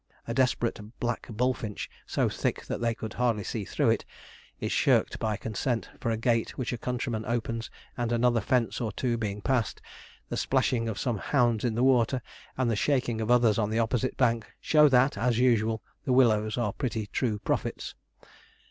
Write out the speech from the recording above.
A desperate black bullfinch, so thick that they could hardly see through it, is shirked by consent, for a gate which a countryman opens, and another fence or two being passed, the splashing of some hounds in the water, and the shaking of others on the opposite bank, show that, as usual, the willows are pretty true prophets.